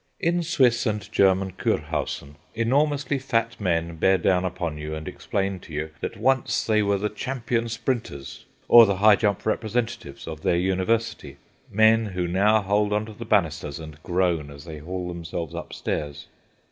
In Swiss and German kurhausen enormously fat men bear down upon you and explain to you that once they were the champion sprinters or the high jump representatives of their university—men who now hold on to the bannisters and groan as they haul themselves upstairs.